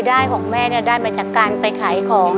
ได้ของแม่ได้มาจากการไปขายของ